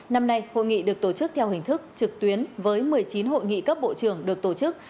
năm nay hội nghị được tổ chức theo hình thức trực tuyến với một mươi chín hội nghị cấp bộ trưởng được tổ chức